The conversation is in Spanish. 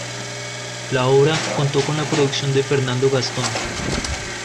La obra contó con la producción de Fernando Gastón.